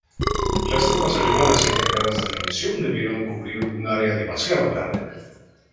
Las tropas alemanas encargadas de la misión debieron cubrir un área demasiado grande.